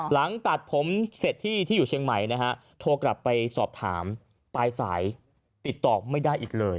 หลังตัดผมเสร็จที่ที่อยู่เชียงใหม่นะฮะโทรกลับไปสอบถามปลายสายติดต่อไม่ได้อีกเลย